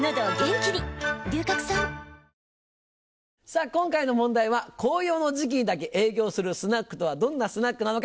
さぁ今回の問題は紅葉の時期にだけ営業するスナックとはどんなスナックなのか？